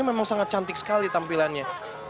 memang sangat cantik sekali tampilannya